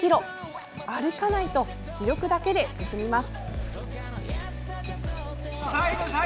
「歩かない！」と気力だけで進みます。